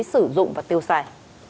sử dụng và tiêu xài